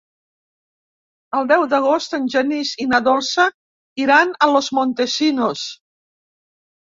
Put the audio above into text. El deu d'agost en Genís i na Dolça iran a Los Montesinos.